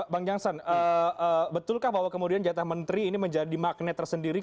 bang jansan betulkah bahwa kemudian jatah menteri ini menjadi magnet tersendiri